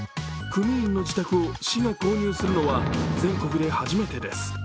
組員の自宅を市が購入するのは全国で初めてです。